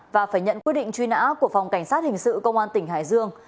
và phải nhận quyết định truy nã của phòng cảnh sát hình sự công an tỉnh hải dương